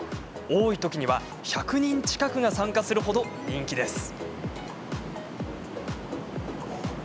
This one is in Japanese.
多いときには１００人近くが参加するほど人気です。